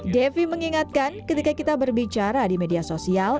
devi mengingatkan ketika kita berbicara di media sosial